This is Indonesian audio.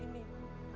bukan saja ini